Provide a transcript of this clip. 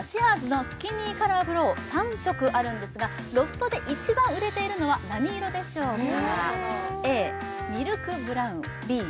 ＳＨＥＥＲ’Ｓのスキニーカラーブロウ３色あるんですがロフトで一番売れているのは何色でしょうか？